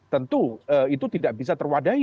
tentu itu tidak bisa terwadahi